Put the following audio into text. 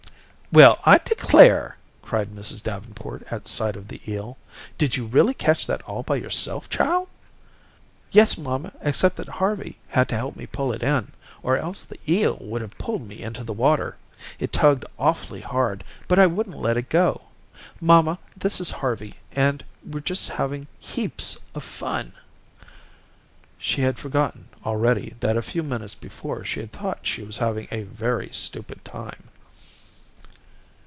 "Well, I declare," cried Mrs. Davenport at sight of the eel. "Did you really catch that all by yourself, child?" "Yes, mamma, except that Harvey had to help me pull it in, or else the eel would have pulled me into the water. It tugged awfully hard, but I wouldn't let go. Mamma, this is Harvey and we're just having heaps of fun." She had forgotten, already, that a few minutes before she thought she was having a very stupid time.